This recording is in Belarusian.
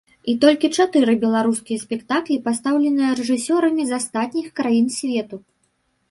І толькі чатыры беларускія спектаклі пастаўлены рэжысёрамі з астатніх краін свету.